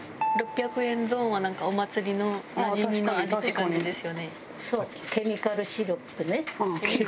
６００円ゾーンはなんかお祭りのなじみの味って感じですよね。